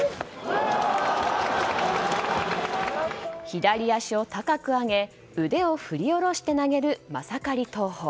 左足を高く上げ腕を振り下ろして投げるマサカリ投法。